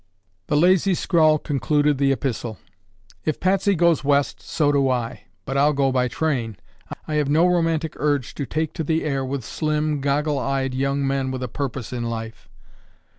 The lazy scrawl concluded the epistle. "If Patsy goes West, so do I, but I'll go by train. I have no romantic urge to take to the air with slim, goggle eyed young men with a purpose in life.